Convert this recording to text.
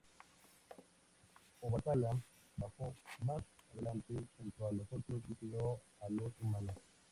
Obatalá bajó más adelante junto a los otros y creó a los humanos.